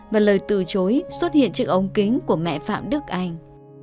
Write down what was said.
và lời từ chối xuất hiện trước ống kính của mẹ phạm đức anh